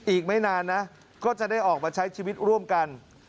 อีกไม่นานนะก็จะได้ออกมาใช้ชีวิตร่วมกัน